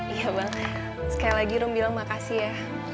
iya bang sekali lagi rum bilang makasih ya